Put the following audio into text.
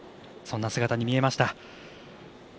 そんな姿に見えました。